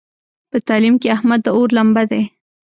په تعلیم کې احمد د اور لمبه دی.